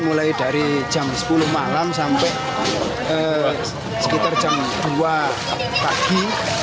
mulai dari jam sepuluh malam sampai sekitar jam dua pagi